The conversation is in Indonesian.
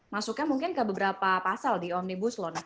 masuknya mungkin ke beberapa pasal di omnibus law